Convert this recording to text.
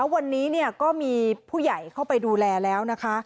วันนี้ก็มีผู้ใหญ่เข้าไปดูแลแล้วนะคะ